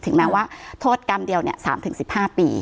ถึงแม้ว่าโทษกรรมเดียวเนี่ยสามถึงสิบห้าปี